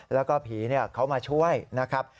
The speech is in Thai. แล้วก็ผีเขามาช่วยนะครับ